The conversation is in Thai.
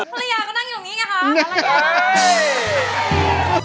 ภรรยาก็นั่งอยู่ตรงนี้ไงคะ